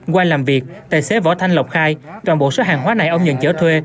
qua làm việc tài xế võ thanh lộc khai toàn bộ số hàng hóa này ông nhận chở thuê